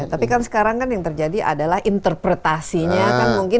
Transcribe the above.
tapi kan sekarang kan yang terjadi adalah interpretasinya kan mungkin